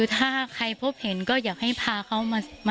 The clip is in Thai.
ถ้าใครพบเห็นก็อยากให้พาเขามา